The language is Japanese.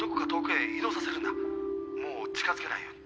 もう近づけないように。